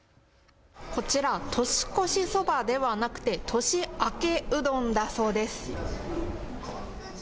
こちら、年越しそばではなくて年明けうどんだそうです。